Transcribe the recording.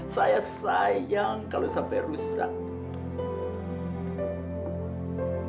saya sayang kalau sampai rusak